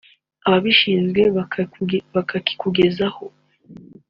ababishinzwe bakakikugezaho